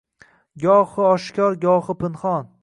Gohi oshkor, goh pinhon